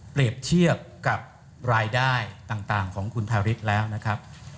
เปรียบเทียบกับรายได้ต่างของคุณทาริสแล้วนะครับ